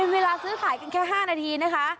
เวลาซื้อขายกันแค่๕นาทีนะคะ